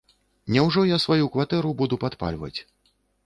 Няўжо я сваю кватэру буду падпальваць.